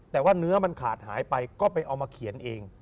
แต่ว่าเนื้อมันขาดหายไปก็ไปเอามาเขียนเอง